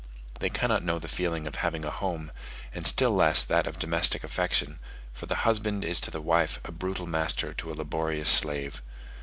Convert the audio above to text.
They cannot know the feeling of having a home, and still less that of domestic affection; for the husband is to the wife a brutal master to a laborious slave.